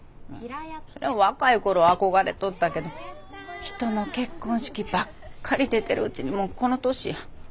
若い頃は憧れとったけど人の結婚式ばっかり出てるうちにもうこの年や。